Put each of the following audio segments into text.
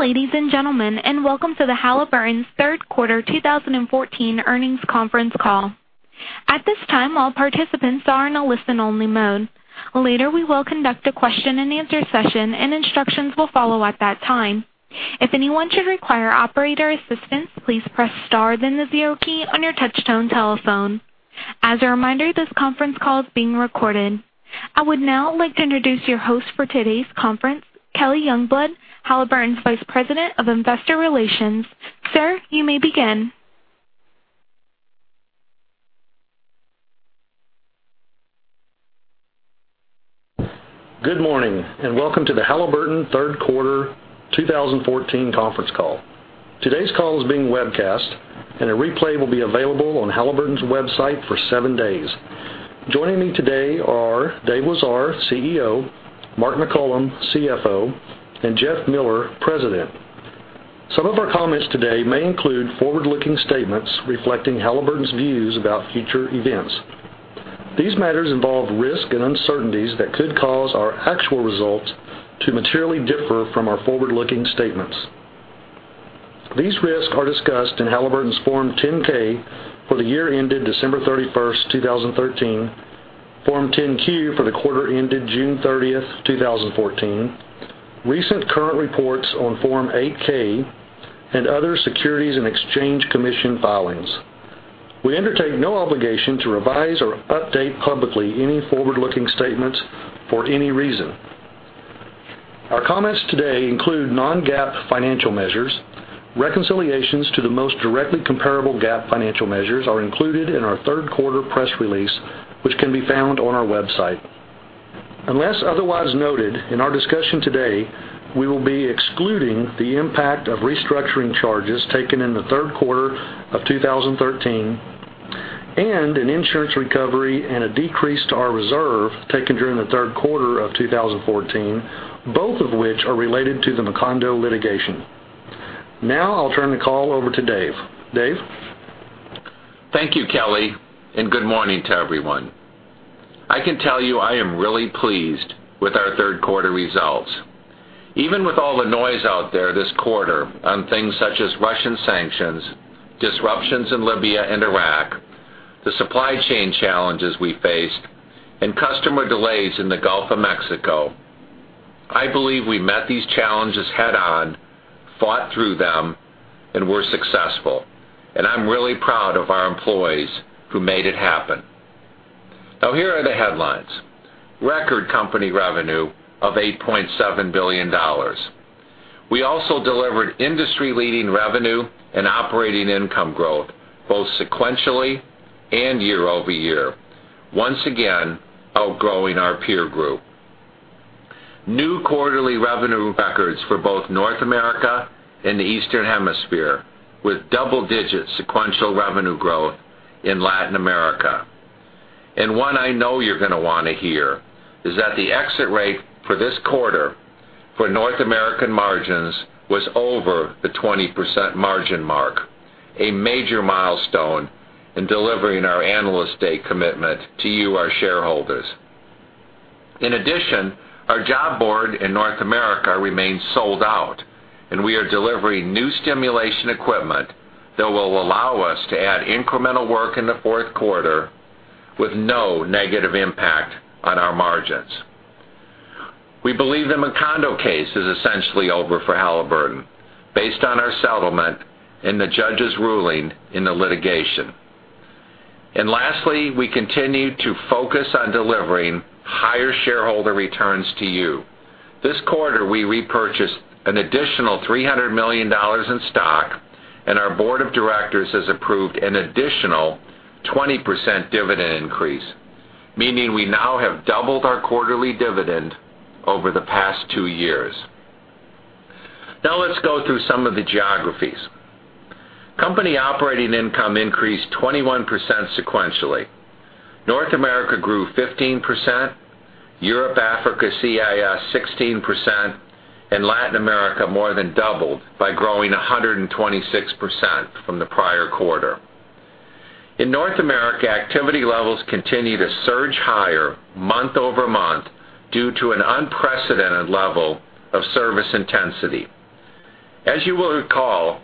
Good day, ladies and gentlemen, welcome to the Halliburton third quarter 2014 earnings conference call. At this time, all participants are in a listen-only mode. Later, we will conduct a question-and-answer session, instructions will follow at that time. If anyone should require operator assistance, please press star then the zero key on your touchtone telephone. As a reminder, this conference call is being recorded. I would now like to introduce your host for today's conference, Kelly Youngblood, Halliburton's Vice President of Investor Relations. Sir, you may begin. Good morning, welcome to the Halliburton third quarter 2014 conference call. Today's call is being webcast, a replay will be available on Halliburton's website for seven days. Joining me today are Dave Lesar, CEO, Mark McCollum, CFO, and Jeff Miller, President. Some of our comments today may include forward-looking statements reflecting Halliburton's views about future events. These matters involve risk and uncertainties that could cause our actual results to materially differ from our forward-looking statements. These risks are discussed in Halliburton's Form 10-K for the year ended December 31st, 2013, Form 10-Q for the quarter ended June 30th, 2014, recent current reports on Form 8-K, other Securities and Exchange Commission filings. We undertake no obligation to revise or update publicly any forward-looking statements for any reason. Our comments today include non-GAAP financial measures. Reconciliations to the most directly comparable GAAP financial measures are included in our third quarter press release, which can be found on our website. Unless otherwise noted, in our discussion today, we will be excluding the impact of restructuring charges taken in the third quarter of 2013, an insurance recovery and a decrease to our reserve taken during the third quarter of 2014, both of which are related to the Macondo litigation. Now I'll turn the call over to Dave. Dave? Thank you, Kelly, good morning to everyone. I can tell you I am really pleased with our third quarter results. Even with all the noise out there this quarter on things such as Russian sanctions, disruptions in Libya and Iraq, the supply chain challenges we faced, customer delays in the Gulf of Mexico. I believe we met these challenges head-on, fought through them, were successful. I'm really proud of our employees who made it happen. Now, here are the headlines. Record company revenue of $8.7 billion. We also delivered industry-leading revenue and operating income growth, both sequentially and year-over-year, once again outgrowing our peer group. New quarterly revenue records for both North America and the Eastern Hemisphere, with double-digit sequential revenue growth in Latin America. One I know you're going to want to hear is that the exit rate for this quarter for North American margins was over the 20% margin mark, a major milestone in delivering our Analyst Day commitment to you, our shareholders. In addition, our job board in North America remains sold out, and we are delivering new stimulation equipment that will allow us to add incremental work in the fourth quarter with no negative impact on our margins. We believe the Macondo case is essentially over for Halliburton based on our settlement and the judge's ruling in the litigation. Lastly, we continue to focus on delivering higher shareholder returns to you. This quarter, we repurchased an additional $300 million in stock, and our board of directors has approved an additional 20% dividend increase, meaning we now have doubled our quarterly dividend over the past two years. Let's go through some of the geographies. Company operating income increased 21% sequentially. North America grew 15%, Europe, Africa, CIS 16%, Latin America more than doubled by growing 126% from the prior quarter. In North America, activity levels continue to surge higher month-over-month due to an unprecedented level of service intensity. As you will recall,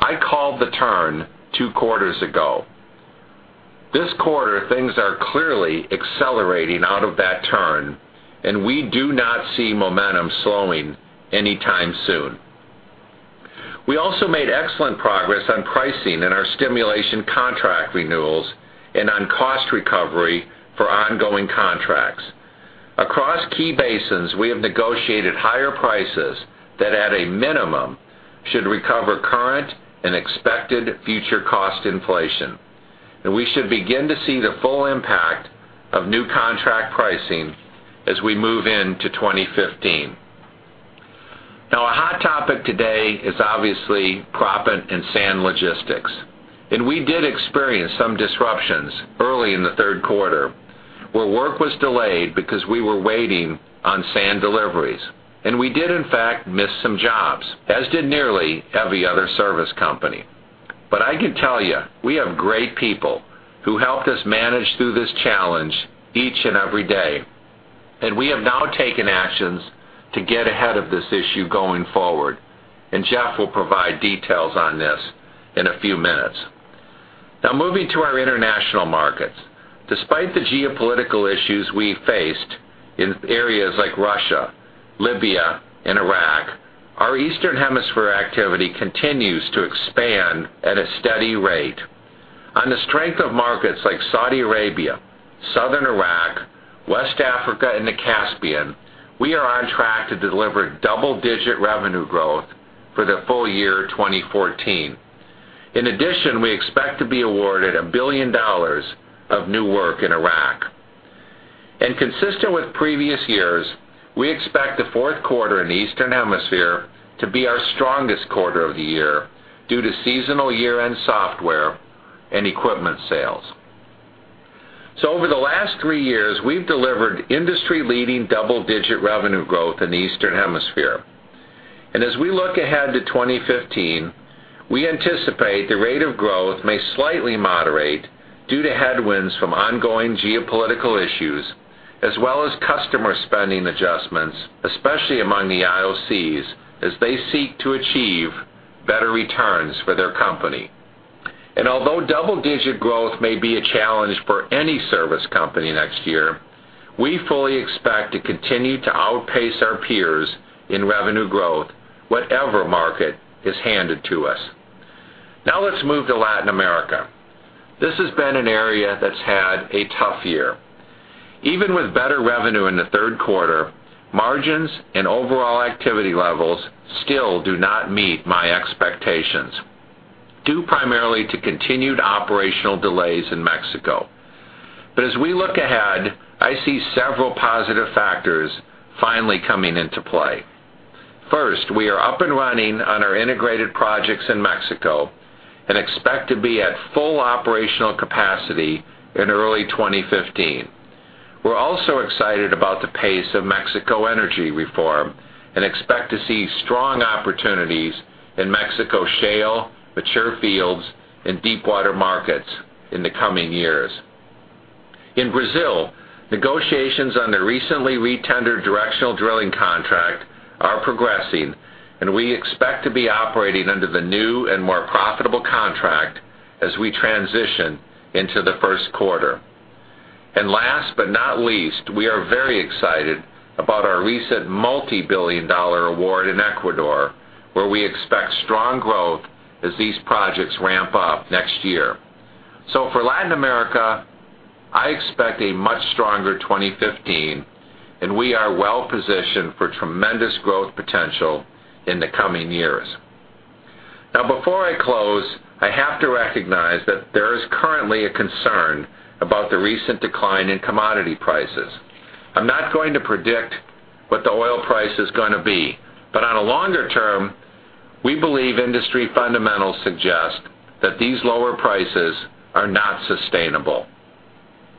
I called the turn two quarters ago. This quarter, things are clearly accelerating out of that turn, we do not see momentum slowing anytime soon. We also made excellent progress on pricing in our stimulation contract renewals and on cost recovery for ongoing contracts. Across key basins, we have negotiated higher prices that at a minimum should recover current and expected future cost inflation. We should begin to see the full impact of new contract pricing as we move into 2015. A hot topic today is obviously proppant and sand logistics. We did experience some disruptions early in the third quarter where work was delayed because we were waiting on sand deliveries. We did, in fact, miss some jobs, as did nearly every other service company. I can tell you, we have great people who helped us manage through this challenge each and every day. We have now taken actions to get ahead of this issue going forward, and Jeff will provide details on this in a few minutes. Moving to our international markets. Despite the geopolitical issues we faced in areas like Russia, Libya, and Iraq, our eastern hemisphere activity continues to expand at a steady rate. On the strength of markets like Saudi Arabia, Southern Iraq, West Africa, and the Caspian, we are on track to deliver double-digit revenue growth for the full year 2014. In addition, we expect to be awarded $1 billion of new work in Iraq. Consistent with previous years, we expect the fourth quarter in the eastern hemisphere to be our strongest quarter of the year due to seasonal year-end software and equipment sales. Over the last three years, we've delivered industry-leading double-digit revenue growth in the eastern hemisphere. As we look ahead to 2015, we anticipate the rate of growth may slightly moderate due to headwinds from ongoing geopolitical issues, as well as customer spending adjustments, especially among the IOCs as they seek to achieve better returns for their company. Although double-digit growth may be a challenge for any service company next year, we fully expect to continue to outpace our peers in revenue growth, whatever market is handed to us. Let's move to Latin America. This has been an area that's had a tough year. Even with better revenue in the third quarter, margins and overall activity levels still do not meet my expectations, due primarily to continued operational delays in Mexico. As we look ahead, I see several positive factors finally coming into play. First, we are up and running on our integrated projects in Mexico and expect to be at full operational capacity in early 2015. We're also excited about the pace of Mexico energy reform and expect to see strong opportunities in Mexico shale, mature fields, and deepwater markets in the coming years. In Brazil, negotiations on the recently re-tendered directional drilling contract are progressing. We expect to be operating under the new and more profitable contract as we transition into the first quarter. Last but not least, we are very excited about our recent multi-billion dollar award in Ecuador, where we expect strong growth as these projects ramp up next year. For Latin America, I expect a much stronger 2015, and we are well-positioned for tremendous growth potential in the coming years. Before I close, I have to recognize that there is currently a concern about the recent decline in commodity prices. I'm not going to predict what the oil price is going to be, but on a longer term, we believe industry fundamentals suggest that these lower prices are not sustainable.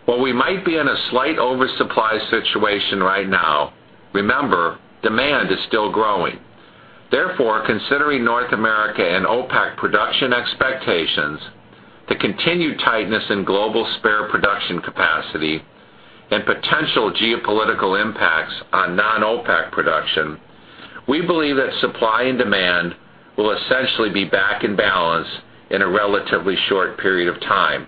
While we might be in a slight oversupply situation right now, remember, demand is still growing. Considering North America and OPEC production expectations, the continued tightness in global spare production capacity, and potential geopolitical impacts on non-OPEC production, we believe that supply and demand will essentially be back in balance in a relatively short period of time.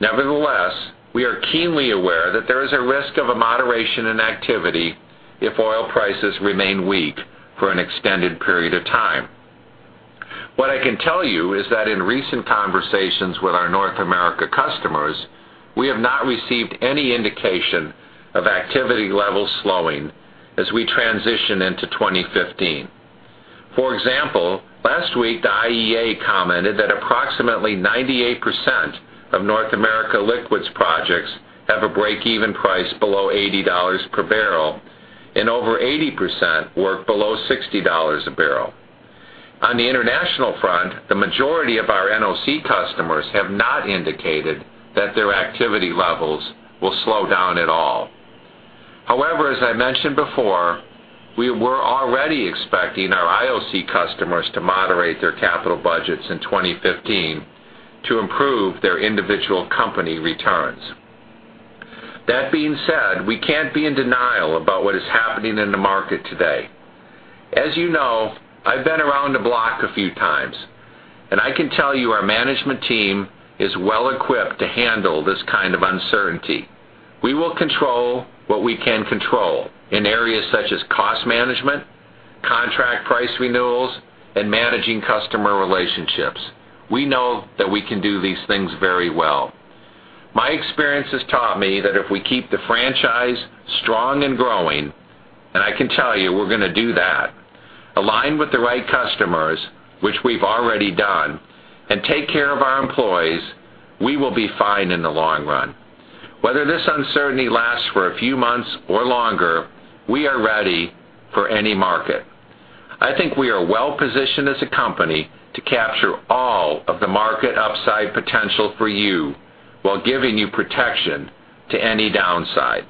Nevertheless, we are keenly aware that there is a risk of a moderation in activity if oil prices remain weak for an extended period of time. What I can tell you is that in recent conversations with our North America customers, we have not received any indication of activity levels slowing as we transition into 2015. For example, last week, the IEA commented that approximately 98% of North America liquids projects have a break-even price below $80 per barrel and over 80% work below $60 a barrel. On the international front, the majority of our NOC customers have not indicated that their activity levels will slow down at all. As I mentioned before, we were already expecting our IOC customers to moderate their capital budgets in 2015 to improve their individual company returns. That being said, we can't be in denial about what is happening in the market today. As you know, I've been around the block a few times, and I can tell you our management team is well-equipped to handle this kind of uncertainty. We will control what we can control in areas such as cost management, contract price renewals, and managing customer relationships. We know that we can do these things very well. My experience has taught me that if we keep the franchise strong and growing, and I can tell you we're going to do that, align with the right customers, which we've already done, and take care of our employees, we will be fine in the long run. Whether this uncertainty lasts for a few months or longer, we are ready for any market. I think we are well-positioned as a company to capture all of the market upside potential for you while giving you protection to any downside.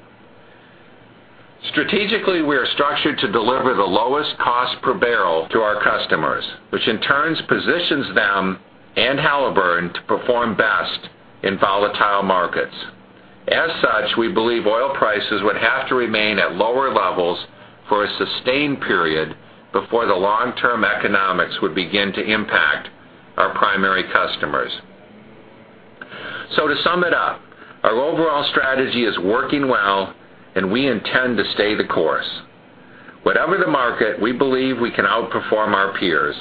Strategically, we are structured to deliver the lowest cost per barrel to our customers, which in turn positions them and Halliburton to perform best in volatile markets. As such, we believe oil prices would have to remain at lower levels for a sustained period before the long-term economics would begin to impact our primary customers. To sum it up, our overall strategy is working well, and we intend to stay the course. Whatever the market, we believe we can outperform our peers,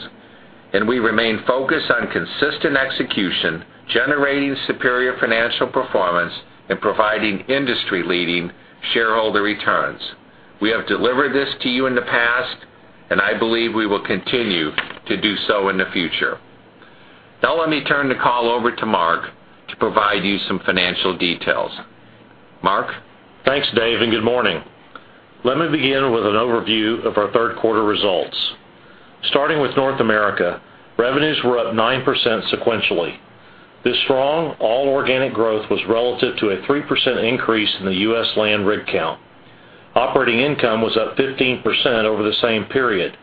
and we remain focused on consistent execution, generating superior financial performance, and providing industry-leading shareholder returns. We have delivered this to you in the past, and I believe we will continue to do so in the future. Now let me turn the call over to Mark to provide you some financial details. Mark? Thanks, Dave, and good morning. Let me begin with an overview of our third quarter results. Starting with North America, revenues were up 9% sequentially. This strong all-organic growth was relative to a 3% increase in the U.S. land rig count. Operating income was up 15% over the same period.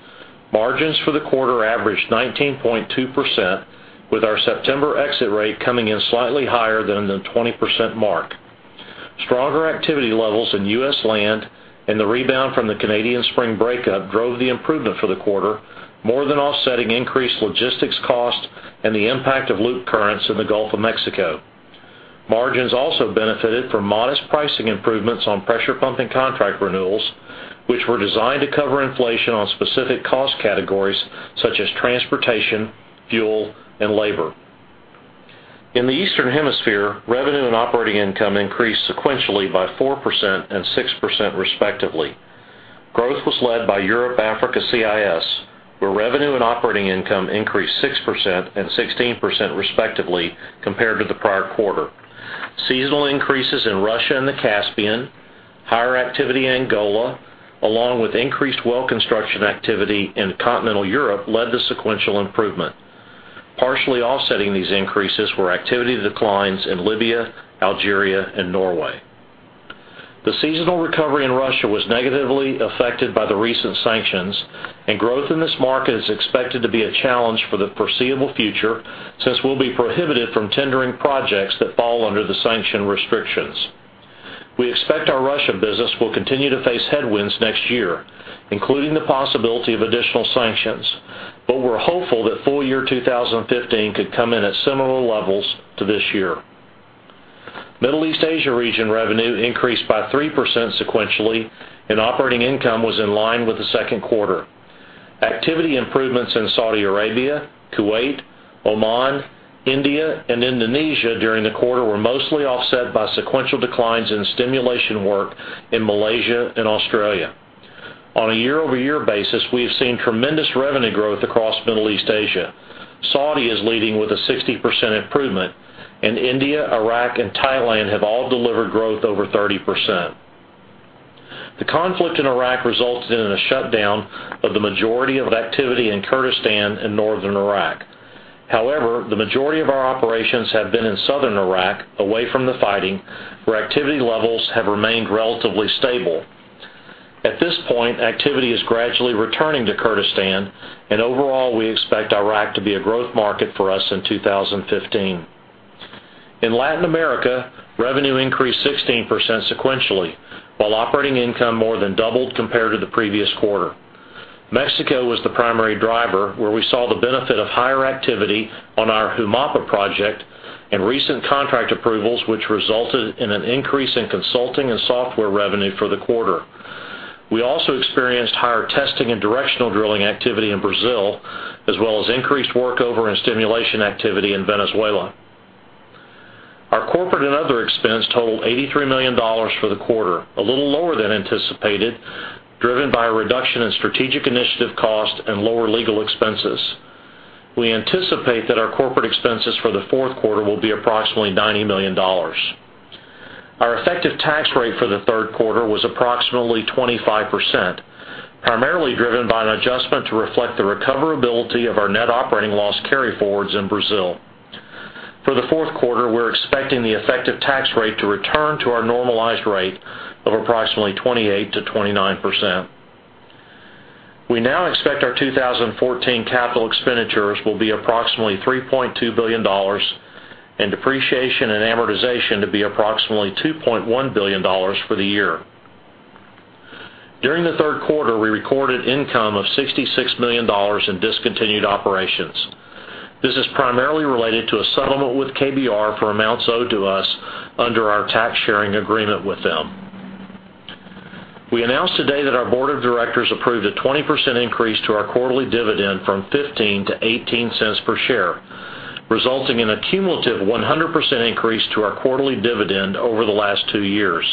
Margins for the quarter averaged 19.2%, with our September exit rate coming in slightly higher than the 20% mark. Stronger activity levels in U.S. land and the rebound from the Canadian spring breakup drove the improvement for the quarter, more than offsetting increased logistics costs and the impact of loop currents in the Gulf of Mexico. Margins also benefited from modest pricing improvements on pressure pumping contract renewals, which were designed to cover inflation on specific cost categories such as transportation, fuel, and labor. In the Eastern Hemisphere, revenue and operating income increased sequentially by 4% and 6% respectively. Growth was led by Europe, Africa, CIS, where revenue and operating income increased 6% and 16% respectively compared to the prior quarter. Seasonal increases in Russia and the Caspian, higher activity in Angola, along with increased well construction activity in continental Europe led to sequential improvement. Partially offsetting these increases were activity declines in Libya, Algeria, and Norway. The seasonal recovery in Russia was negatively affected by the recent sanctions. Growth in this market is expected to be a challenge for the foreseeable future, since we'll be prohibited from tendering projects that fall under the sanction restrictions. We expect our Russia business will continue to face headwinds next year, including the possibility of additional sanctions, but we're hopeful that full year 2015 could come in at similar levels to this year. Middle East Asia region revenue increased by 3% sequentially, and operating income was in line with the second quarter. Activity improvements in Saudi Arabia, Kuwait, Oman, India, and Indonesia during the quarter were mostly offset by sequential declines in stimulation work in Malaysia and Australia. On a year-over-year basis, we have seen tremendous revenue growth across Middle East Asia. Saudi is leading with a 60% improvement. India, Iraq, and Thailand have all delivered growth over 30%. The conflict in Iraq resulted in a shutdown of the majority of activity in Kurdistan and northern Iraq. However, the majority of our operations have been in southern Iraq, away from the fighting, where activity levels have remained relatively stable. At this point, activity is gradually returning to Kurdistan, and overall, we expect Iraq to be a growth market for us in 2015. In Latin America, revenue increased 16% sequentially, while operating income more than doubled compared to the previous quarter. Mexico was the primary driver, where we saw the benefit of higher activity on our Jumapa project and recent contract approvals, which resulted in an increase in consulting and software revenue for the quarter. We also experienced higher testing and directional drilling activity in Brazil, as well as increased workover and stimulation activity in Venezuela. Our corporate and other expense totaled $83 million for the quarter, a little lower than anticipated, driven by a reduction in strategic initiative cost and lower legal expenses. We anticipate that our corporate expenses for the fourth quarter will be approximately $90 million. Our effective tax rate for the third quarter was approximately 25%, primarily driven by an adjustment to reflect the recoverability of our net operating loss carryforwards in Brazil. For the fourth quarter, we're expecting the effective tax rate to return to our normalized rate of approximately 28%-29%. We now expect our 2014 capital expenditures will be approximately $3.2 billion and depreciation and amortization to be approximately $2.1 billion for the year. During the third quarter, we recorded income of $66 million in discontinued operations. This is primarily related to a settlement with KBR for amounts owed to us under our tax sharing agreement with them. We announced today that our board of directors approved a 20% increase to our quarterly dividend from $0.15 to $0.18 per share, resulting in a cumulative 100% increase to our quarterly dividend over the last two years.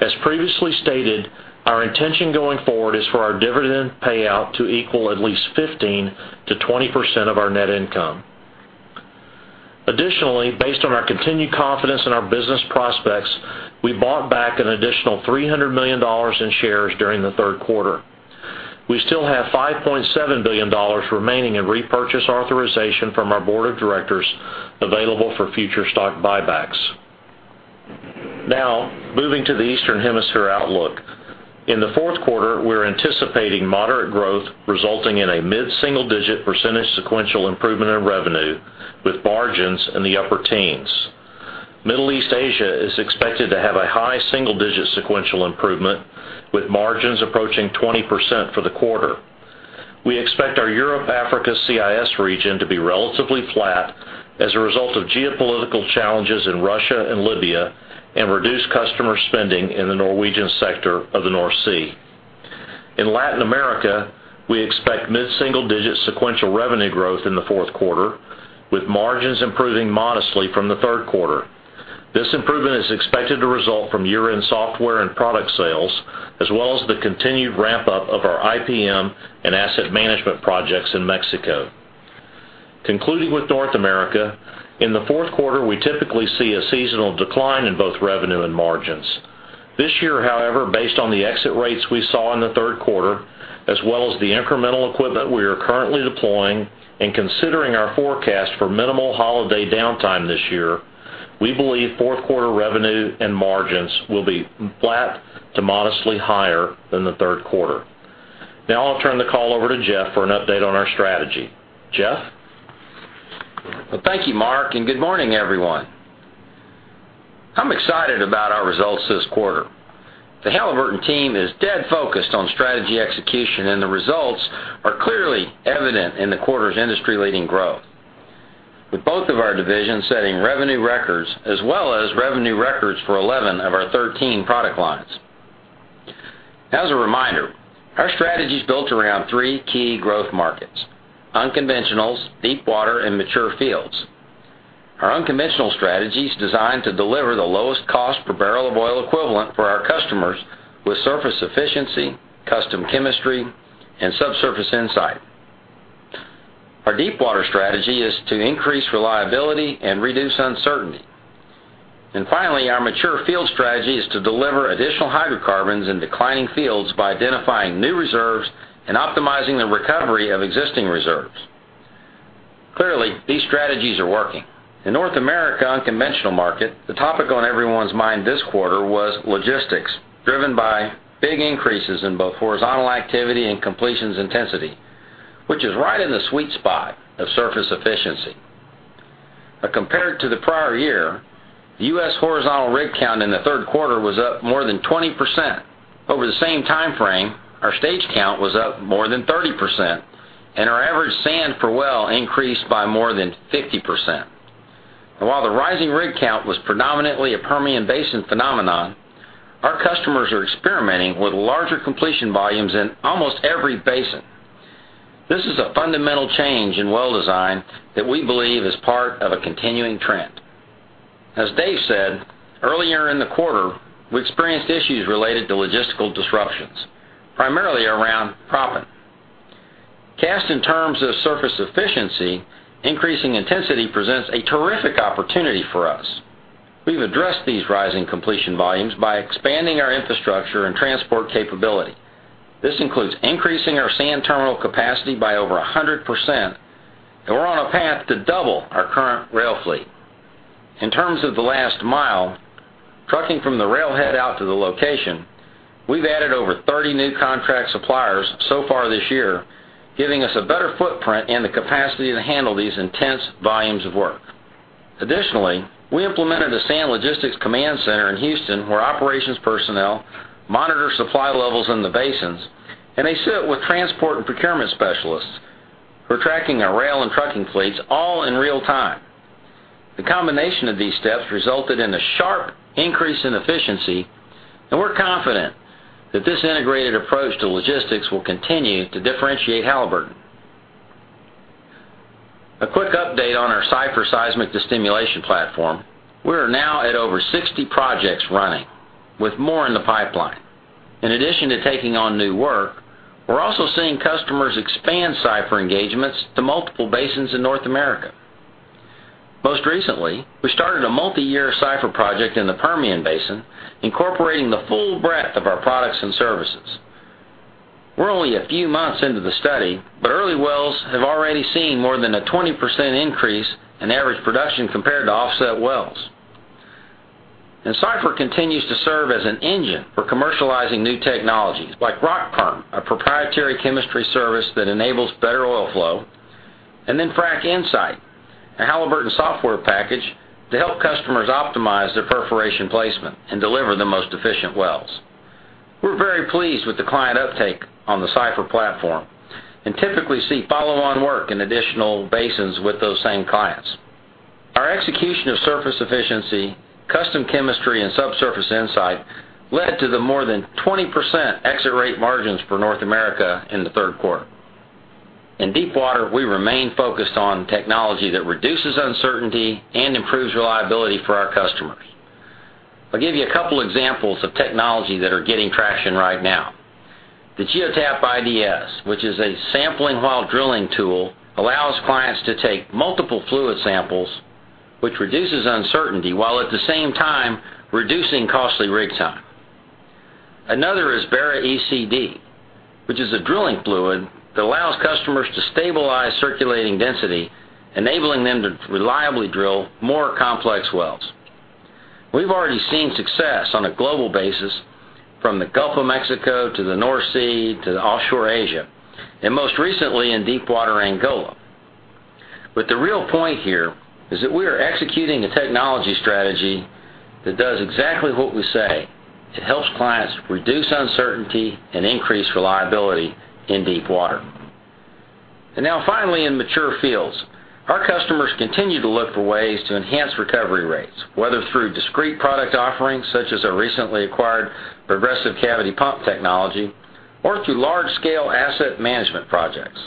As previously stated, our intention going forward is for our dividend payout to equal at least 15%-20% of our net income. Additionally, based on our continued confidence in our business prospects, we bought back an additional $300 million in shares during the third quarter. We still have $5.7 billion remaining in repurchase authorization from our board of directors available for future stock buybacks. Moving to the Eastern Hemisphere outlook. In the fourth quarter, we're anticipating moderate growth resulting in a mid-single-digit percentage sequential improvement in revenue, with margins in the upper teens. Middle East Asia is expected to have a high single-digit sequential improvement, with margins approaching 20% for the quarter. We expect our Europe Africa CIS region to be relatively flat as a result of geopolitical challenges in Russia and Libya and reduced customer spending in the Norwegian sector of the North Sea. In Latin America, we expect mid-single-digit sequential revenue growth in the fourth quarter, with margins improving modestly from the third quarter. This improvement is expected to result from year-end software and product sales, as well as the continued ramp-up of our IPM and asset management projects in Mexico. Concluding with North America, in the fourth quarter, we typically see a seasonal decline in both revenue and margins. This year, however, based on the exit rates we saw in the third quarter, as well as the incremental equipment we are currently deploying and considering our forecast for minimal holiday downtime this year, we believe fourth quarter revenue and margins will be flat to modestly higher than the third quarter. I'll turn the call over to Jeff for an update on our strategy. Jeff? Well, thank you, Mark, and good morning, everyone. I'm excited about our results this quarter. The Halliburton team is dead focused on strategy execution, and the results are clearly evident in the quarter's industry-leading growth, with both of our divisions setting revenue records as well as revenue records for 11 of our 13 product lines. As a reminder, our strategy is built around three key growth markets: unconventionals, deepwater, and mature fields. Our unconventional strategy is designed to deliver the lowest cost per barrel of oil equivalent for our customers with surface efficiency, custom chemistry, and subsurface insight. Our deepwater strategy is to increase reliability and reduce uncertainty. Finally, our mature field strategy is to deliver additional hydrocarbons in declining fields by identifying new reserves and optimizing the recovery of existing reserves. Clearly, these strategies are working. In North America unconventional market, the topic on everyone's mind this quarter was logistics, driven by big increases in both horizontal activity and completions intensity, which is right in the sweet spot of surface efficiency. Compared to the prior year, the U.S. horizontal rig count in the third quarter was up more than 20%. Over the same time frame, our stage count was up more than 30%, and our average sand per well increased by more than 50%. While the rising rig count was predominantly a Permian Basin phenomenon, our customers are experimenting with larger completion volumes in almost every basin. This is a fundamental change in well design that we believe is part of a continuing trend. As Dave said, earlier in the quarter, we experienced issues related to logistical disruptions, primarily around proppant. Cast in terms of surface efficiency, increasing intensity presents a terrific opportunity for us. We've addressed these rising completion volumes by expanding our infrastructure and transport capability. This includes increasing our sand terminal capacity by over 100%, and we're on a path to double our current rail fleet. In terms of the last mile, trucking from the rail head out to the location, we've added over 30 new contract suppliers so far this year, giving us a better footprint and the capacity to handle these intense volumes of work. Additionally, we implemented a sand logistics command center in Houston where operations personnel monitor supply levels in the basins, and they sit with transport and procurement specialists who are tracking our rail and trucking fleets all in real time. The combination of these steps resulted in a sharp increase in efficiency, we're confident that this integrated approach to logistics will continue to differentiate Halliburton. A quick update on our CYPHER seismic stimulation platform. We are now at over 60 projects running, with more in the pipeline. In addition to taking on new work, we're also seeing customers expand CYPHER engagements to multiple basins in North America. Most recently, we started a multiyear CYPHER project in the Permian Basin, incorporating the full breadth of our products and services. We're only a few months into the study, but early wells have already seen more than a 20% increase in average production compared to offset wells. CYPHER continues to serve as an engine for commercializing new technologies like RockPerm, a proprietary chemistry service that enables better oil flow, FracInsight, a Halliburton software package to help customers optimize their perforation placement and deliver the most efficient wells. We're very pleased with the client uptake on the CYPHER platform and typically see follow-on work in additional basins with those same clients. Our execution of surface efficiency, custom chemistry, and subsurface insight led to the more than 20% exit rate margins for North America in the third quarter. In deepwater, we remain focused on technology that reduces uncertainty and improves reliability for our customers. I'll give you a couple examples of technology that are getting traction right now. The GeoTap IDS, which is a sampling while drilling tool, allows clients to take multiple fluid samples, which reduces uncertainty while at the same time reducing costly rig time. Another is BaraECD, which is a drilling fluid that allows customers to stabilize circulating density, enabling them to reliably drill more complex wells. We've already seen success on a global basis, from the Gulf of Mexico to the North Sea to offshore Asia, and most recently in deepwater Angola. The real point here is that we are executing a technology strategy that does exactly what we say. It helps clients reduce uncertainty and increase reliability in deepwater. Now finally, in mature fields, our customers continue to look for ways to enhance recovery rates, whether through discrete product offerings such as our recently acquired progressive cavity pump technology, or through large-scale asset management projects.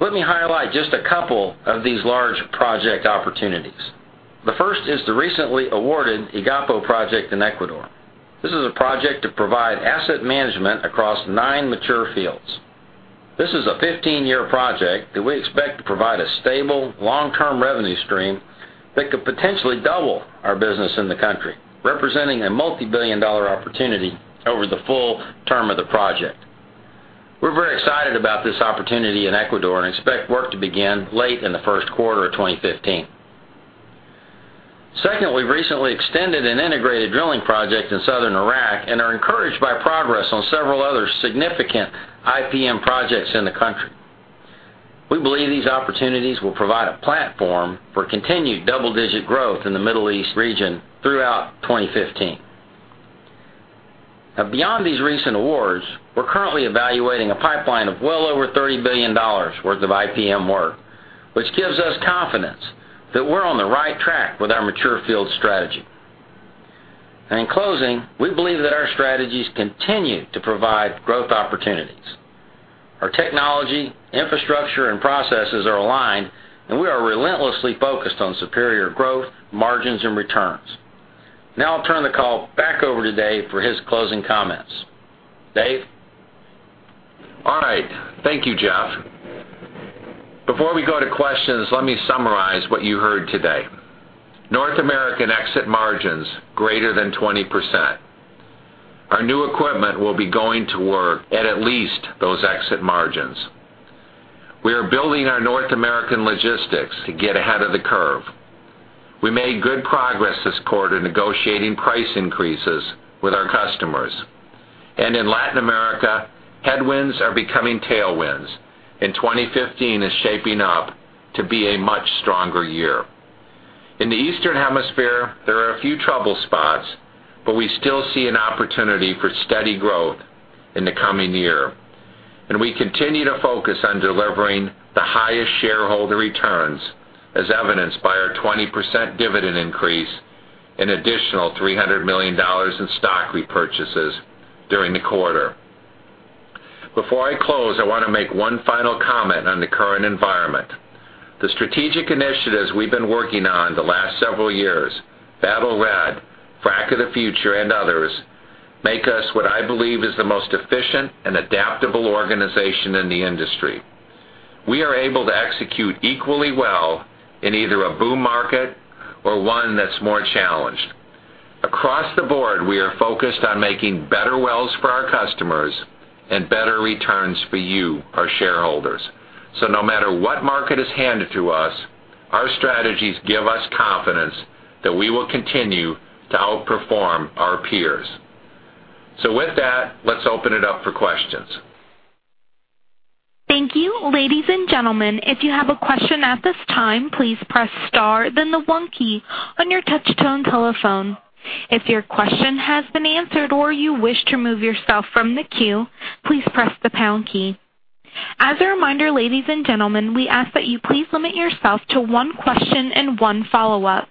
Let me highlight just a couple of these large project opportunities. The first is the recently awarded Agapo project in Ecuador. This is a project to provide asset management across nine mature fields. This is a 15-year project that we expect to provide a stable, long-term revenue stream that could potentially double our business in the country, representing a multibillion-dollar opportunity over the full term of the project. We're very excited about this opportunity in Ecuador and expect work to begin late in the first quarter of 2015. Secondly, we've recently extended an integrated drilling project in southern Iraq and are encouraged by progress on several other significant IPM projects in the country. We believe these opportunities will provide a platform for continued double-digit growth in the Middle East region throughout 2015. Beyond these recent awards, we're currently evaluating a pipeline of well over $30 billion worth of IPM work, which gives us confidence that we're on the right track with our mature field strategy. In closing, we believe that our strategies continue to provide growth opportunities. Our technology, infrastructure, and processes are aligned. We are relentlessly focused on superior growth, margins, and returns. I'll turn the call back over to Dave for his closing comments. Dave? All right. Thank you, Jeff. Before we go to questions, let me summarize what you heard today. North American exit margins greater than 20%. Our new equipment will be going to work at least those exit margins. We are building our North American logistics to get ahead of the curve. We made good progress this quarter negotiating price increases with our customers. In Latin America, headwinds are becoming tailwinds. 2015 is shaping up to be a much stronger year. In the Eastern Hemisphere, there are a few trouble spots. We still see an opportunity for steady growth in the coming year. We continue to focus on delivering the highest shareholder returns, as evidenced by our 20% dividend increase, an additional $300 million in stock repurchases during the quarter. Before I close, I want to make one final comment on the current environment. The strategic initiatives we've been working on the last several years, Battle Red, Frac of the Future, and others, make us what I believe is the most efficient and adaptable organization in the industry. We are able to execute equally well in either a boom market or one that's more challenged. Across the board, we are focused on making better wells for our customers and better returns for you, our shareholders. No matter what market is handed to us, our strategies give us confidence that we will continue to outperform our peers. With that, let's open it up for questions. Thank you. Ladies and gentlemen, if you have a question at this time, please press star, then the one key on your touch-tone telephone. If your question has been answered or you wish to remove yourself from the queue, please press the pound key. As a reminder, ladies and gentlemen, we ask that you please limit yourself to one question and one follow-up.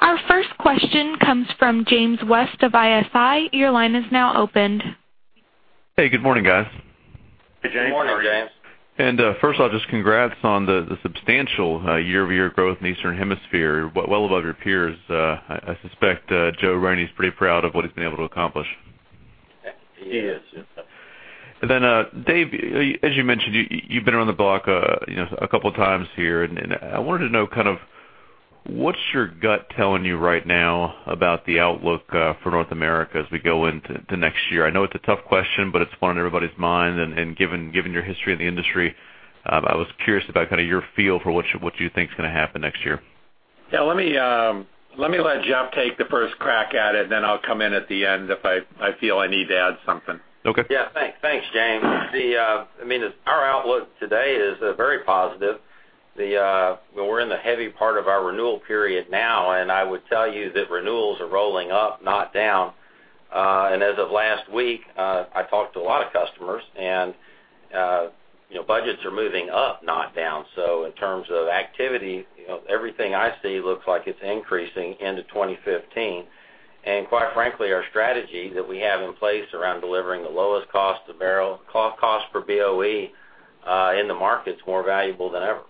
Our first question comes from James West of ISI. Your line is now opened. Hey, good morning, guys. Hey, James. How are you? Good morning, James. First of all, just congrats on the substantial year-over-year growth in Eastern Hemisphere, well above your peers. I suspect Jeff Miller's pretty proud of what he's been able to accomplish. He is. Yes. Dave, as you mentioned, you've been around the block a couple of times here, I wanted to know kind of what's your gut telling you right now about the outlook for North America as we go into next year? I know it's a tough question, but it's one on everybody's mind. Given your history in the industry, I was curious about kind of your feel for what you think is going to happen next year. Let me let Jeff take the first crack at it, I'll come in at the end if I feel I need to add something. Okay. Thanks, James. Our outlook today is very positive. We're in the heavy part of our renewal period now, I would tell you that renewals are rolling up, not down. As of last week, I talked to a lot of customers, budgets are moving up, not down. In terms of activity, everything I see looks like it's increasing into 2015. Quite frankly, our strategy that we have in place around delivering the lowest cost per BOE in the market is more valuable than ever.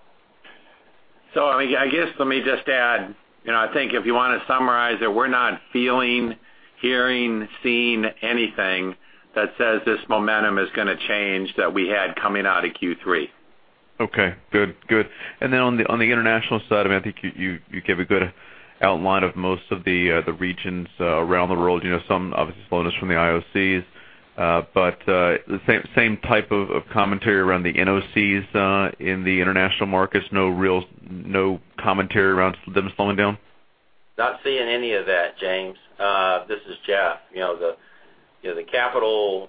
I guess let me just add, I think if you want to summarize it, we're not feeling Hearing, seeing anything that says this momentum is going to change, that we had coming out of Q3. Okay, good. Then on the international side of it, I think you gave a good outline of most of the regions around the world. Some obvious slowness from the IOCs. The same type of commentary around the NOCs in the international markets, no commentary around them slowing down? Not seeing any of that, James. This is Jeff. The capital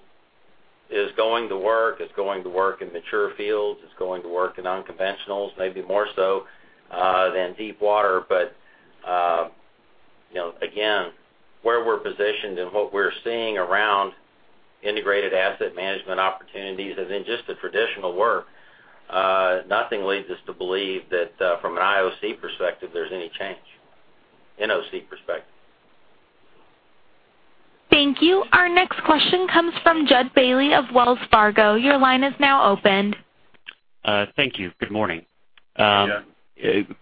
is going to work, it's going to work in mature fields, it's going to work in unconventionals, maybe more so than deep water. Again, where we're positioned and what we're seeing around integrated asset management opportunities and in just the traditional work, nothing leads us to believe that from an IOC perspective, there's any change. NOC perspective. Thank you. Our next question comes from Jud Bailey of Wells Fargo. Your line is now open. Thank you. Good morning. Yeah.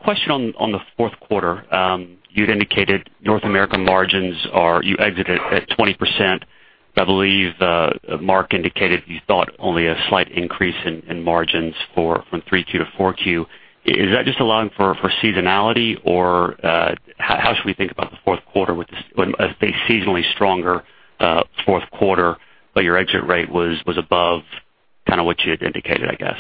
Question on the fourth quarter. You'd indicated North America margins, you exited at 20%. I believe Mark indicated you thought only a slight increase in margins from 3Q to 4Q. Is that just allowing for seasonality, or how should we think about the fourth quarter with a seasonally stronger fourth quarter, but your exit rate was above what you had indicated, I guess?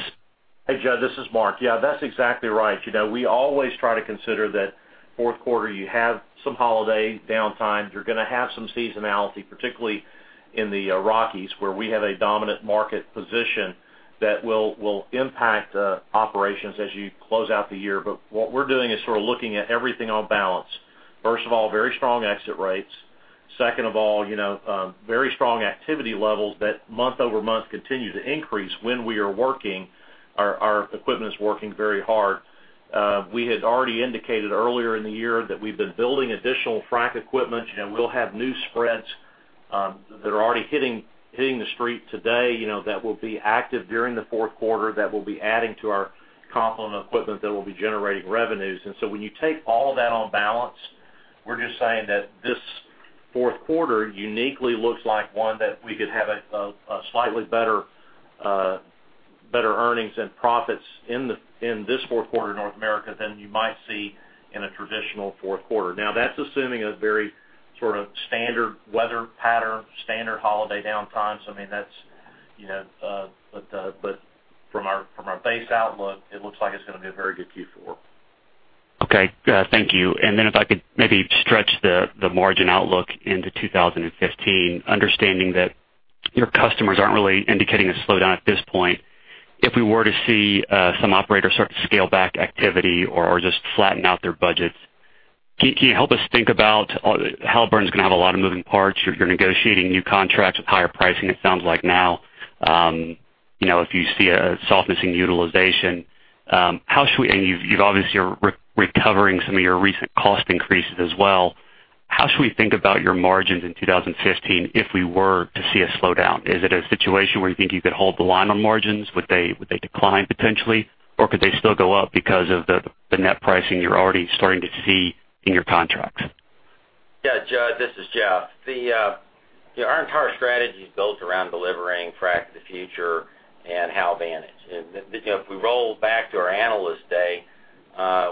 Hey, Jud, this is Mark. That's exactly right. We always try to consider that fourth quarter, you have some holiday downtime. You're going to have some seasonality, particularly in the Rockies, where we have a dominant market position that will impact operations as you close out the year. What we're doing is sort of looking at everything on balance. First of all, very strong exit rates. Second of all, very strong activity levels that month-over-month continue to increase when we are working, our equipment is working very hard. We had already indicated earlier in the year that we've been building additional frac equipment, and we'll have new spreads that are already hitting the street today that will be active during the fourth quarter, that will be adding to our complement equipment, that will be generating revenues. When you take all of that on balance, we're just saying that this fourth quarter uniquely looks like one that we could have a slightly better earnings and profits in this fourth quarter in North America than you might see in a traditional fourth quarter. Now, that's assuming a very sort of standard weather pattern, standard holiday downtime. From our base outlook, it looks like it's going to be a very good Q4. Okay. Thank you. If I could maybe stretch the margin outlook into 2015, understanding that your customers aren't really indicating a slowdown at this point. If we were to see some operators start to scale back activity or just flatten out their budgets, can you help us think about how Halliburton's going to have a lot of moving parts. You're negotiating new contracts with higher pricing, it sounds like now. If you see a softness in utilization, and you've obviously are recovering some of your recent cost increases as well, how should we think about your margins in 2015 if we were to see a slowdown? Is it a situation where you think you could hold the line on margins? Would they decline potentially, or could they still go up because of the net pricing you're already starting to see in your contracts? Yeah, Jud, this is Jeff. Our entire strategy is built around delivering Frac of the Future and HalVantage. If we roll back to our Analyst Day,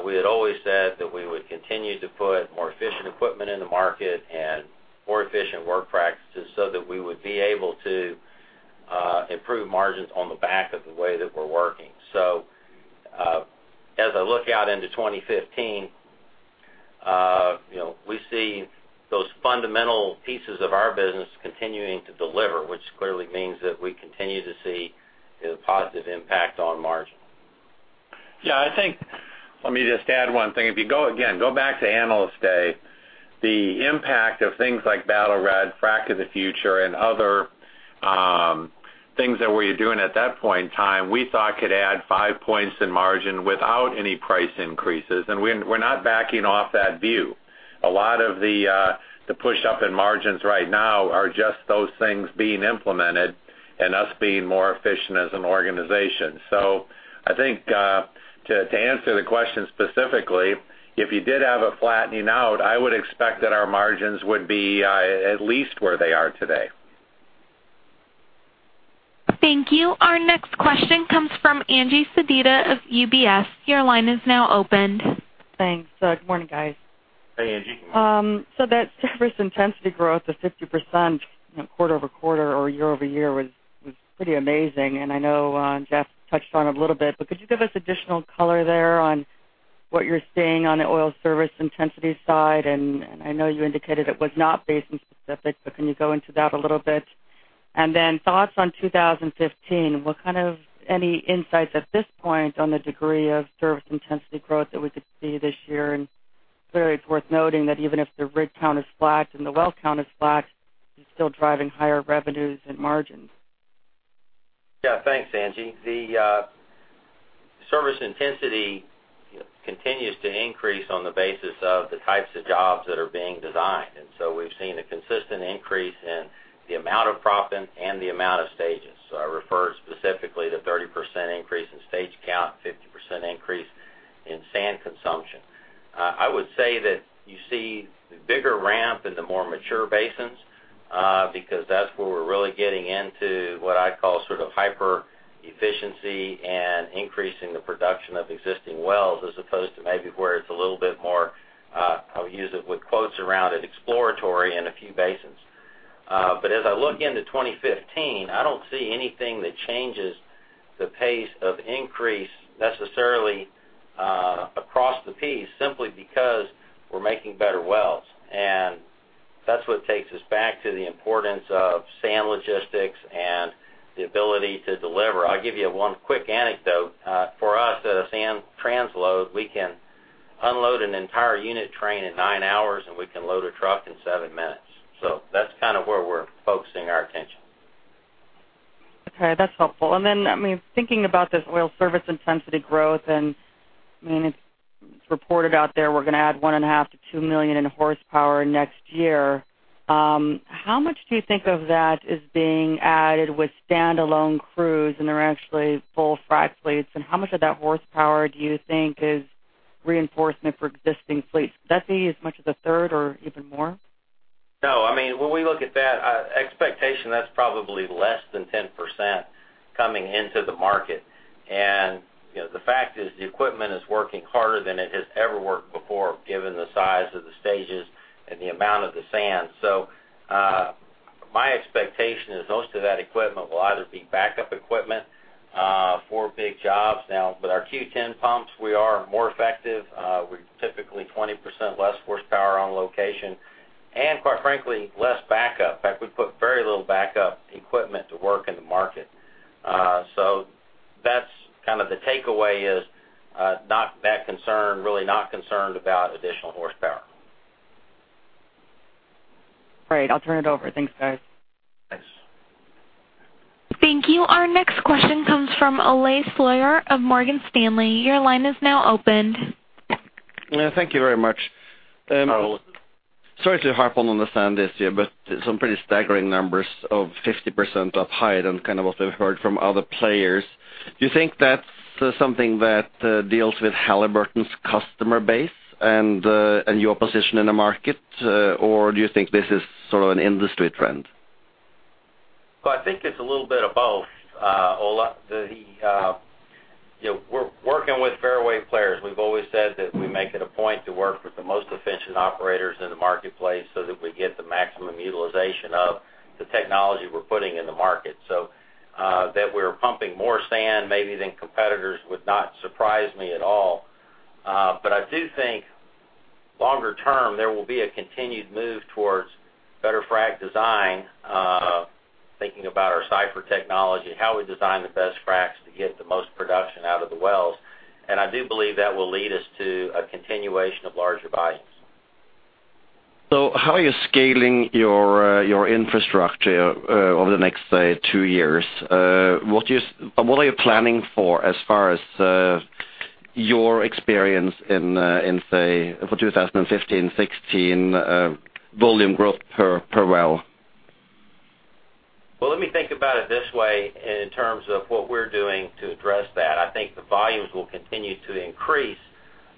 we had always said that we would continue to put more efficient equipment in the market and more efficient work practices so that we would be able to improve margins on the back of the way that we're working. As I look out into 2015, we see those fundamental pieces of our business continuing to deliver, which clearly means that we continue to see a positive impact on margin. Yeah, I think let me just add one thing. If you go, again, go back to Analyst Day, the impact of things like Battle Red, Frac of the Future, and other things that we were doing at that point in time, we thought could add five points in margin without any price increases, and we're not backing off that view. A lot of the push up in margins right now are just those things being implemented and us being more efficient as an organization. I think to answer the question specifically, if you did have a flattening out, I would expect that our margins would be at least where they are today. Thank you. Our next question comes from Angie Sedita of UBS. Your line is now open. Thanks. Good morning, guys. Hey, Angie. That service intensity growth of 50% quarter-over-quarter or year-over-year was pretty amazing. I know Jeff touched on it a little bit, but could you give us additional color there on what you're seeing on the oil service intensity side? I know you indicated it was not basin specific, but can you go into that a little bit? Then thoughts on 2015, what kind of any insights at this point on the degree of service intensity growth that we could see this year? Clearly worth noting that even if the rig count is flat and the well count is flat, you're still driving higher revenues and margins. Yeah. Thanks, Angie. The service intensity continues to increase on the basis of the types of jobs that are being designed. We've seen a consistent increase in the amount of proppant and the amount of stages. I refer specifically to 30% increase in stage count, 50% increase in sand consumption. I would say that you see the bigger ramp in the more mature basins, because that's where we're really getting into what I call sort of hyper efficiency and increasing the production of existing wells, as opposed to maybe where it's a little bit more, I'll use it with quotes around it, "exploratory" in a few basins. As I look into 2015, I don't see anything that changes the pace of increase necessarily across the piece, simply because we're making better wells. That's what takes us back to the importance of sand logistics and the ability to deliver. I'll give you one quick anecdote. For us, at a sand transload, we can unload an entire unit train in nine hours, and we can load a truck in seven minutes. That's kind of where we're focusing our attention. Okay, that's helpful. Thinking about this oil service intensity growth, it's reported out there we're going to add 1.5 million to 2 million in horsepower next year. How much do you think of that is being added with standalone crews and are actually full frac fleets, and how much of that horsepower do you think is reinforcement for existing fleets? Could that be as much as a third or even more? No, when we look at that expectation, that's probably less than 10% coming into the market. The fact is the equipment is working harder than it has ever worked before, given the size of the stages and the amount of the sand. My expectation is most of that equipment will either be backup equipment for big jobs. Now with our Q10 pumps, we are more effective with typically 20% less horsepower on location, and quite frankly, less backup. In fact, we put very little backup equipment to work in the market. That's kind of the takeaway is not that concerned. Really not concerned about additional horsepower. Great. I'll turn it over. Thanks, guys. Thanks. Thank you. Our next question comes from Ole Slorer of Morgan Stanley. Your line is now opened. Yeah, thank you very much. Ole. Sorry to harp on the sand issue, some pretty staggering numbers of 50% up higher than kind of what we've heard from other players. Do you think that's something that deals with Halliburton's customer base and your position in the market, or do you think this is sort of an industry trend? I think it's a little bit of both, Ole. We're working with fair way players. We've always said that we make it a point to work with the most efficient operators in the marketplace so that we get the maximum utilization of the technology we're putting in the market. That we're pumping more sand maybe than competitors would not surprise me at all. I do think longer term, there will be a continued move towards better frac design, thinking about our CYPHER technology, how we design the best fracs to get the most production out of the wells. I do believe that will lead us to a continuation of larger volumes. How are you scaling your infrastructure over the next, say, two years? What are you planning for as far as your experience in, say, for 2015 and 2016 volume growth per well? Let me think about it this way in terms of what we're doing to address that. I think the volumes will continue to increase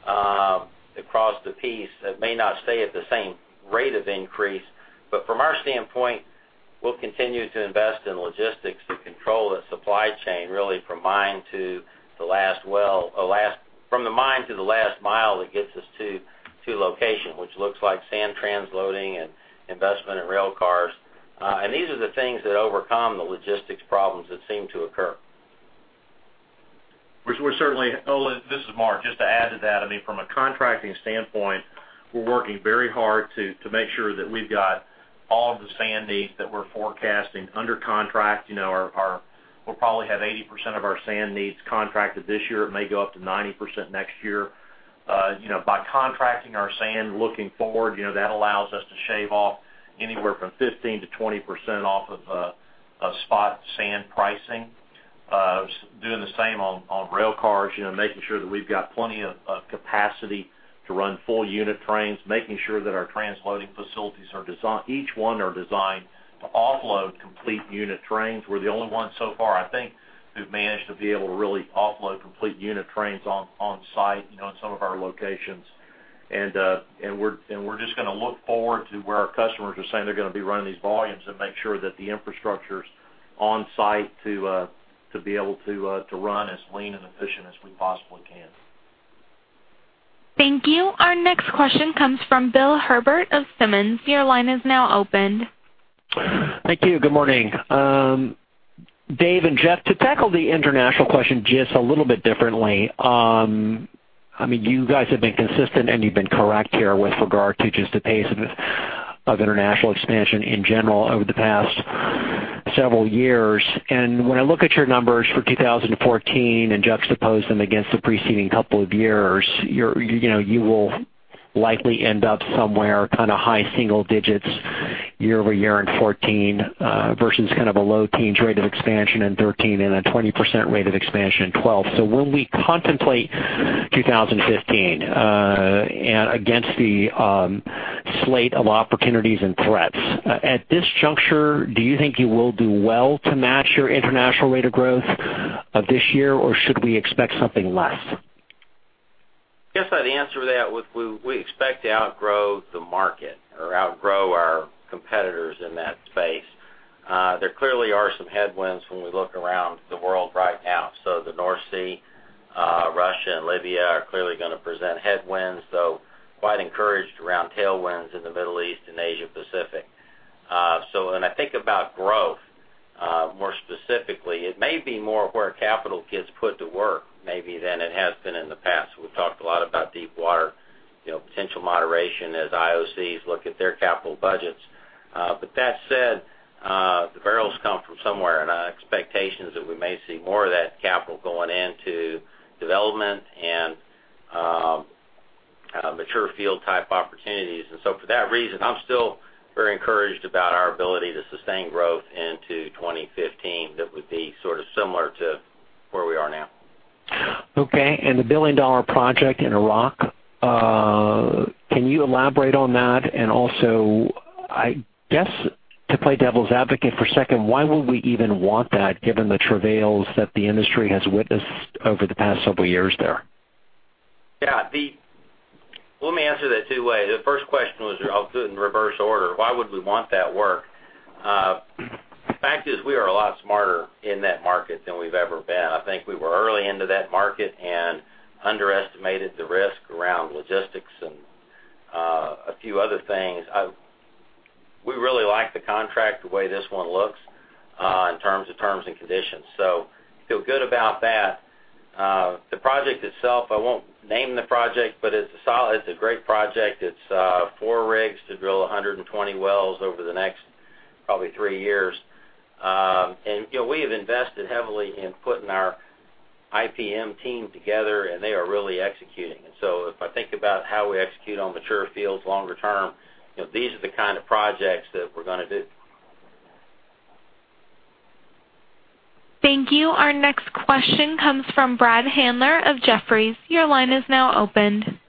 across the piece. It may not stay at the same rate of increase, but from our standpoint, we'll continue to invest in logistics to control the supply chain, really from the mine to the last mile that gets us to location, which looks like sand transloading and investment in railcars. These are the things that overcome the logistics problems that seem to occur. Ole, this is Mark. Just to add to that, from a contracting standpoint, we're working very hard to make sure that we've got all of the sand needs that we're forecasting under contract. We'll probably have 80% of our sand needs contracted this year. It may go up to 90% next year. By contracting our sand looking forward, that allows us to shave off anywhere from 15%-20% off of spot sand pricing. Doing the same on railcars, making sure that we've got plenty of capacity to run full unit trains, making sure that our transloading facilities, each one are designed to offload complete unit trains. We're the only ones so far, I think, who've managed to be able to really offload complete unit trains on site in some of our locations. We're just going to look forward to where our customers are saying they're going to be running these volumes and make sure that the infrastructure's on site to be able to run as lean and efficient as we possibly can. Thank you. Our next question comes from Bill Herbert of Simmons. Your line is now opened. Thank you. Good morning. Dave and Jeff, to tackle the international question just a little bit differently. You guys have been consistent and you've been correct here with regard to just the pace of international expansion in general over the past several years. When I look at your numbers for 2014 and juxtapose them against the preceding couple of years, you will likely end up somewhere kind of high single digits year-over-year in 2014 versus kind of a low teens rate of expansion in 2013 and a 20% rate of expansion in 2012. When we contemplate 2015 against the slate of opportunities and threats. At this juncture, do you think you will do well to match your international rate of growth of this year, or should we expect something less? I guess I'd answer that with, we expect to outgrow the market or outgrow our competitors in that space. There clearly are some headwinds when we look around the world right now. The North Sea, Russia, and Libya are clearly going to present headwinds, though quite encouraged around tailwinds in the Middle East and Asia Pacific. When I think about growth, more specifically, it may be more where capital gets put to work, maybe than it has been in the past. We've talked a lot about deep water potential moderation as IOCs look at their capital budgets. That said, the barrels come from somewhere, and our expectation is that we may see more of that capital going into development and mature field type opportunities. For that reason, I'm still very encouraged about our ability to sustain growth into 2015 that would be sort of similar to where we are now. Okay. The billion-dollar project in Iraq, can you elaborate on that? Also, I guess, to play devil's advocate for a second, why would we even want that given the travails that the industry has witnessed over the past several years there? Yeah. Let me answer that two ways. The first question was, I'll do it in reverse order, why would we want that work? The fact is, we are a lot smarter in that market than we've ever been. I think we were early into that market and underestimated the risk around logistics and a few other things. We really like the contract the way this one looks, in terms of terms and conditions, so feel good about that. The project itself, I won't name the project, but it's a great project. It's four rigs to drill 120 wells over the next probably three years. We have invested heavily in putting our IPM team together, and they are really executing. If I think about how we execute on mature fields longer term, these are the kind of projects that we're going to do. Thank you. Our next question comes from Brad Handler of Jefferies. Your line is now open.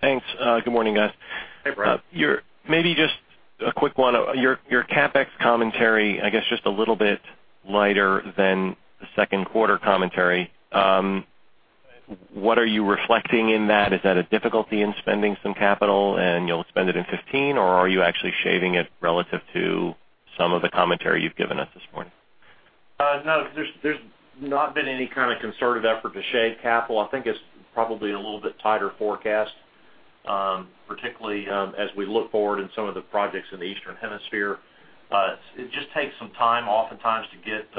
Thanks. Good morning, guys. Hey, Brad. Maybe just a quick one. Your CapEx commentary, I guess just a little bit lighter than the second quarter commentary. What are you reflecting in that? Is that a difficulty in spending some capital, and you'll spend it in 2015, or are you actually shaving it relative to some of the commentary you've given us this morning? No, there's not been any kind of concerted effort to shave capital. I think it's probably a little bit tighter forecast, particularly as we look forward in some of the projects in the eastern hemisphere. It just takes some time oftentimes to get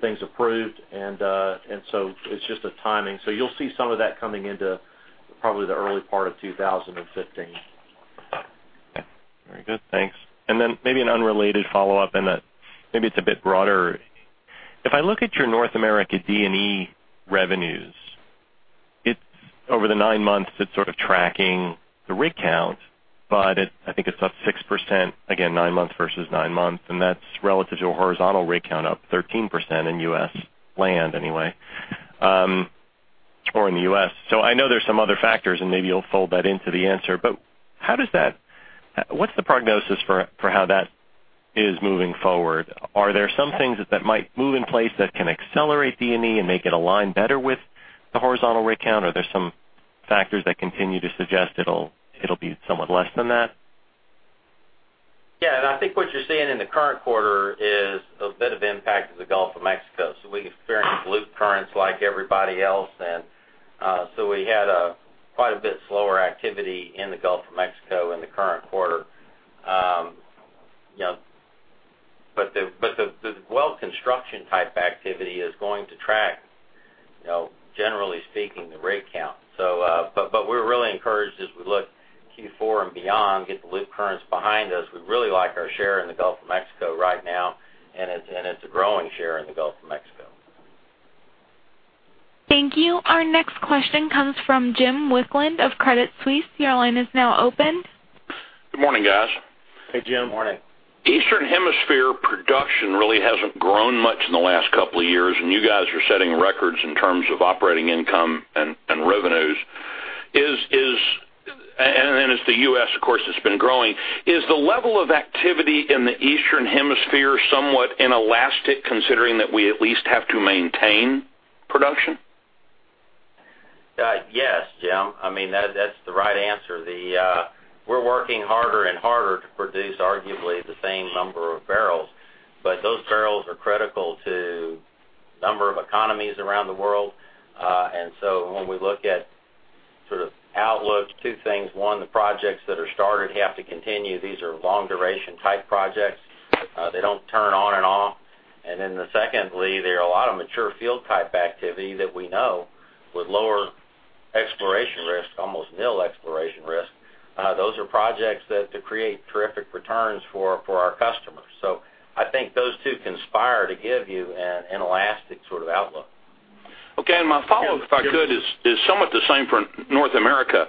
things approved, it's just a timing. You'll see some of that coming into probably the early part of 2015. Okay. Very good. Thanks. Maybe an unrelated follow-up, and maybe it's a bit broader. If I look at your North America D&C revenues, over the nine months, it's sort of tracking the rig count, but I think it's up 6%, again, nine months versus nine months, and that's relative to a horizontal rig count up 13% in U.S. land anyway, or in the U.S. I know there's some other factors, and maybe you'll fold that into the answer, but what's the prognosis for how that is moving forward? Are there some things that might move in place that can accelerate D&C and make it align better with the horizontal rig count? Are there some factors that continue to suggest it'll be somewhat less than that? Yeah, I think what you're seeing in the current quarter is a bit of impact of the Gulf of Mexico. We experienced loop currents like everybody else, we had a quite a bit slower activity in the Gulf of Mexico in the current quarter. The well construction type activity is going to track, generally speaking, the rig count. We're really encouraged as we look Q4 and beyond, get the loop currents behind us. We really like our share in the Gulf of Mexico right now, and it's a growing share in the Gulf of Mexico. Thank you. Our next question comes from Jim Wicklund of Credit Suisse. Your line is now open. Good morning, guys. Hey, Jim. Morning. You guys are setting records in terms of operating income and revenues. It's the U.S., of course, that's been growing. Is the level of activity in the eastern hemisphere somewhat inelastic, considering that we at least have to maintain production? Yes, Jim. That's the right answer. Those barrels are critical to a number of economies around the world. When we look at sort of outlooks, two things. One, the projects that are started have to continue. These are long-duration type projects. They don't turn on and off. Secondly, there are a lot of mature field type activity that we know with lower exploration risk, almost nil exploration risk. Those are projects that create terrific returns for our customers. I think those two conspire to give you an inelastic sort of outlook. my follow-up, if I could, is somewhat the same for North America.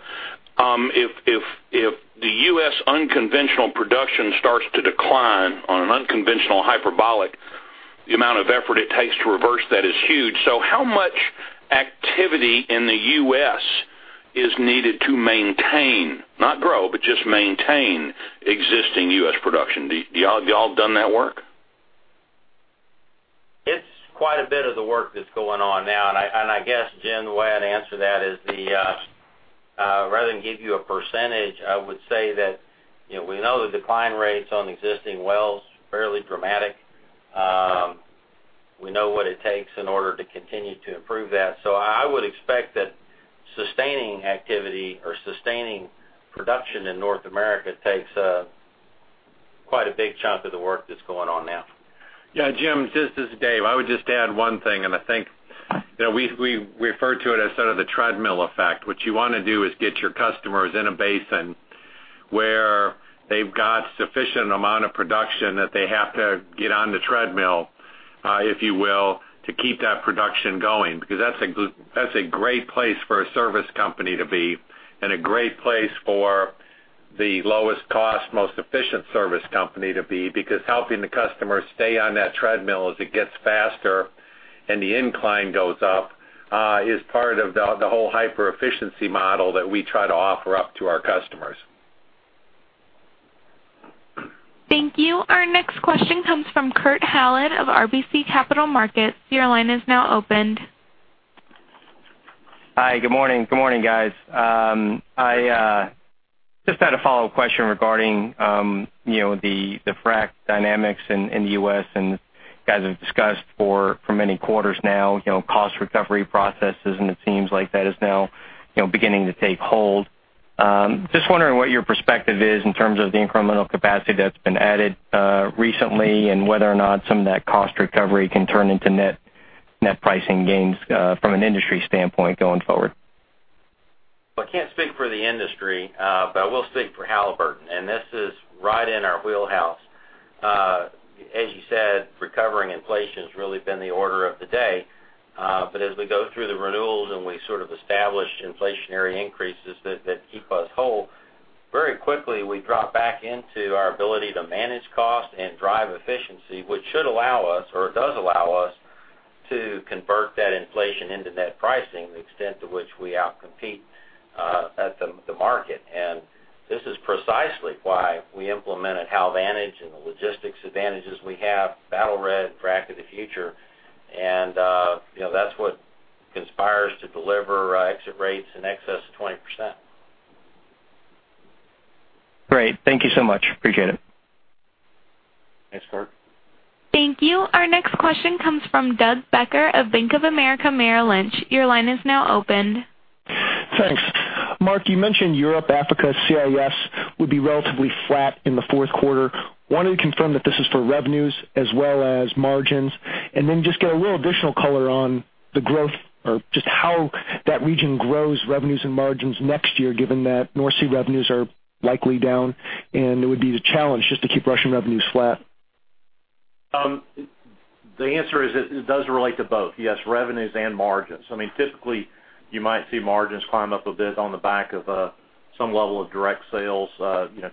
If the U.S. unconventional production starts to decline on an unconventional hyperbolic The amount of effort it takes to reverse that is huge. How much activity in the U.S. is needed to maintain, not grow, but just maintain existing U.S. production? Have you all done that work? It's quite a bit of the work that's going on now. I guess, Jim, the way I'd answer that is, rather than give you a percentage, I would say that we know the decline rates on existing wells fairly dramatic. We know what it takes in order to continue to improve that. I would expect that sustaining activity or sustaining production in North America takes quite a big chunk of the work that's going on now. Yeah, Jim, this is Dave. I would just add one thing, and I think that we refer to it as sort of the treadmill effect. What you want to do is get your customers in a basin where they've got sufficient amount of production that they have to get on the treadmill, if you will, to keep that production going. That's a great place for a service company to be and a great place for the lowest cost, most efficient service company to be. Helping the customer stay on that treadmill as it gets faster and the incline goes up is part of the whole hyper-efficiency model that we try to offer up to our customers. Thank you. Our next question comes from Kurt Hallead of RBC Capital Markets. Your line is now open. Hi. Good morning. Good morning, guys. I just had a follow-up question regarding the frac dynamics in the U.S., you guys have discussed for many quarters now, cost recovery processes, it seems like that is now beginning to take hold. Just wondering what your perspective is in terms of the incremental capacity that's been added recently and whether or not some of that cost recovery can turn into net pricing gains from an industry standpoint going forward. Well, I can't speak for the industry, but I will speak for Halliburton, this is right in our wheelhouse. As you said, recovering inflation's really been the order of the day. As we go through the renewals and we sort of establish inflationary increases that keep us whole, very quickly, we drop back into our ability to manage cost and drive efficiency, which should allow us, or it does allow us, to convert that inflation into net pricing, the extent to which we outcompete at the market. This is precisely why we implemented HalVantage and the logistics advantages we have, Battle Red, Frac of the Future, that's what conspires to deliver exit rates in excess of 20%. Great. Thank you so much. Appreciate it. Thanks, Kurt. Thank you. Our next question comes from Doug Becker of Bank of America Merrill Lynch. Your line is now opened. Thanks. Mark, you mentioned Europe, Africa, CIS would be relatively flat in the fourth quarter. Wanted to confirm that this is for revenues as well as margins, and then just get a little additional color on the growth or just how that region grows revenues and margins next year, given that North Sea revenues are likely down, and it would be the challenge just to keep Russian revenues flat? The answer is it does relate to both, yes, revenues and margins. Typically, you might see margins climb up a bit on the back of some level of direct sales,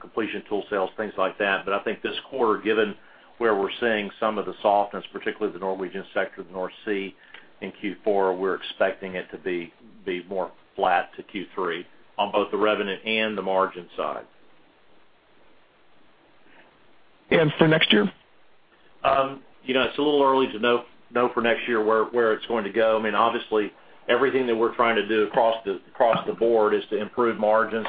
completion tool sales, things like that. I think this quarter, given where we're seeing some of the softness, particularly the Norwegian sector of the North Sea in Q4, we're expecting it to be more flat to Q3 on both the revenue and the margin side. For next year? It's a little early to know for next year where it's going to go. Obviously, everything that we're trying to do across the board is to improve margins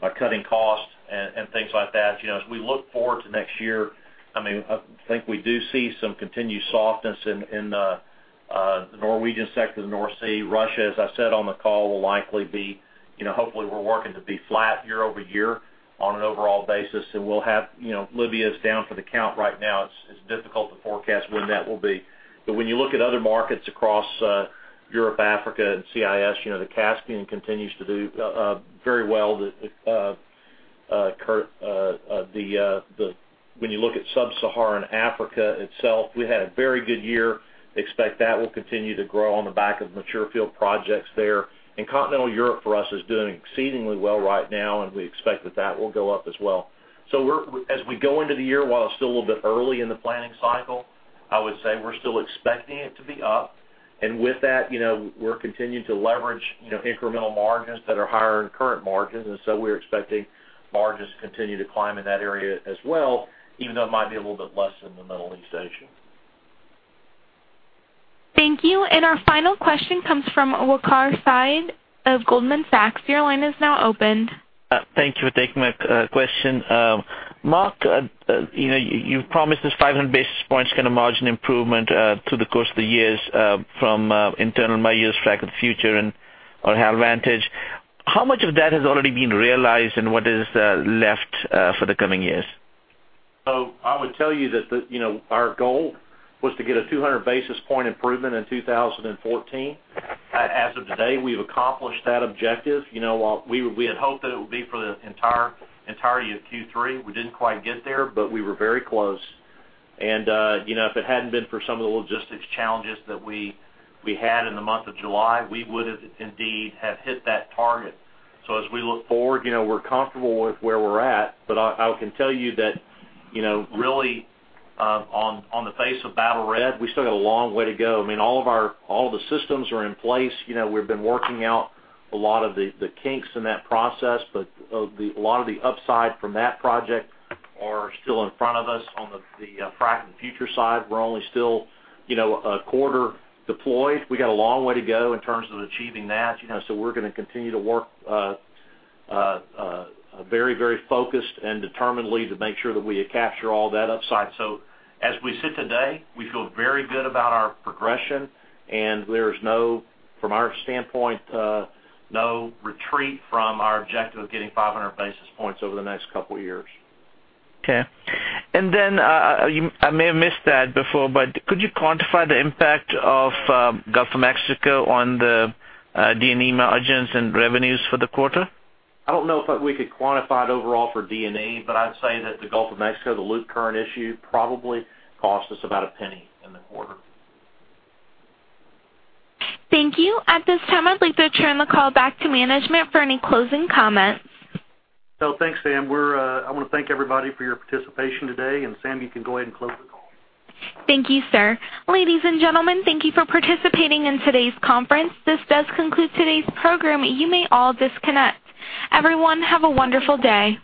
by cutting costs and things like that. As we look forward to next year, I think we do see some continued softness in the Norwegian sector of the North Sea. Russia, as I said on the call, will likely be hopefully we're working to be flat year-over-year on an overall basis, and we'll have Libya is down for the count right now. It's difficult to forecast when that will be. When you look at other markets across Europe, Africa and CIS, the Caspian continues to do very well. When you look at sub-Saharan Africa itself, we had a very good year. Expect that will continue to grow on the back of mature field projects there. Continental Europe for us is doing exceedingly well right now, and we expect that that will go up as well. As we go into the year, while it's still a little bit early in the planning cycle, I would say we're still expecting it to be up, and with that, we're continuing to leverage incremental margins that are higher than current margins, we're expecting margins to continue to climb in that area as well, even though it might be a little bit less than the Middle East Asia. Thank you. Our final question comes from Waqar Syed of Goldman Sachs. Your line is now opened. Thank you for taking my question. Mark, you've promised this 500 basis points kind of margin improvement through the course of the years from internal my years Frac of the Future and our HalVantage. How much of that has already been realized, and what is left for the coming years? I would tell you that our goal was to get a 200 basis point improvement in 2014. As of today, we've accomplished that objective. We had hoped that it would be for the entirety of Q3. We didn't quite get there, but we were very close. If it hadn't been for some of the logistics challenges that we had in the month of July, we would have indeed have hit that target. As we look forward, we're comfortable with where we're at, but I can tell you that really on the face of Battle Red, we still got a long way to go. All of the systems are in place. We've been working out a lot of the kinks in that process, but a lot of the upside from that project are still in front of us. On the Frac of the Future side, we're only still a quarter deployed. We got a long way to go in terms of achieving that. We're going to continue to work very focused and determinedly to make sure that we capture all that upside. As we sit today, we feel very good about our progression, and there's no, from our standpoint, no retreat from our objective of getting 500 basis points over the next couple of years. Okay. I may have missed that before, but could you quantify the impact of Gulf of Mexico on the D&C margins and revenues for the quarter? I don't know if we could quantify it overall for D&C, but I'd say that the Gulf of Mexico, the loop current issue probably cost us about $0.01 in the quarter. Thank you. At this time, I'd like to turn the call back to management for any closing comments. Thanks, Sam. I want to thank everybody for your participation today. Sam, you can go ahead and close the call. Thank you, sir. Ladies and gentlemen, thank you for participating in today's conference. This does conclude today's program. You may all disconnect. Everyone, have a wonderful day.